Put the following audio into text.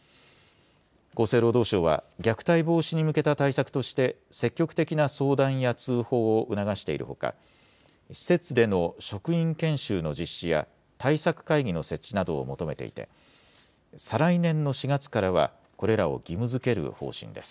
厚生労働省は虐待防止に向けた対策として、積極的な相談や通報を促しているほか、施設での職員研修の実施や、対策会議の設置などを求めていて、再来年の４月からは、これらを義務づける方針です。